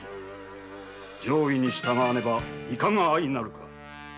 上意に従わねばいかが相なるか！